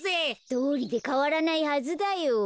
どうりでかわらないはずだよ。